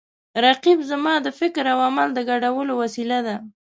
رقیب زما د فکر او عمل د ګډولو وسیله ده